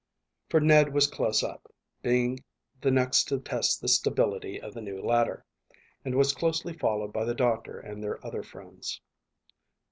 For Ned was close up, being the next to test the stability of the new ladder, and was closely followed by the doctor and their other friends.